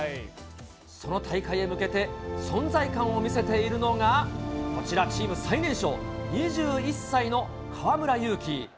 その大会へ向けて、存在感を見せているのがこちら、チーム最年少、２１歳の河村勇輝。